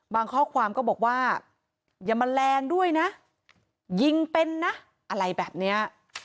ข้อความก็บอกว่าอย่ามาแรงด้วยนะยิงเป็นนะอะไรแบบเนี้ย